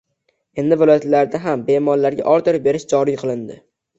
Endi viloyatlarda ham bemorlarga order berish joriy qilinading